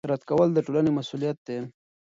رد کول د ټولنې مسوولیت دی